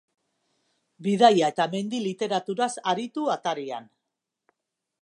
Bidaia eta mendi literaturaz aritu atarian.